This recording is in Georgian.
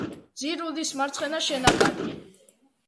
ძირულის მარცხენა შენაკადი.